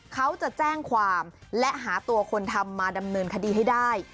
เขาจะแจ้งความและหาตัวคนทำมาดำเนินคดีให้ได้